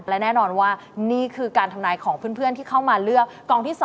และแน่นอนว่านี่คือการทำนายของเพื่อนที่เข้ามาเลือกกองที่๒